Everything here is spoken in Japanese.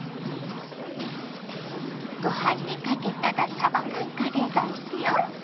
ご飯にかけたらさば缶カレーライスよ。